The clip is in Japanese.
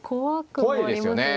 怖いですよね。